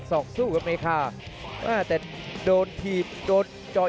ดาบดำเล่นงานบนเวลาตัวด้วยหันขวา